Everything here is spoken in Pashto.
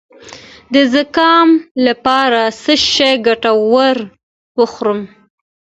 د زکام لپاره د څه شي ګډول وخورم؟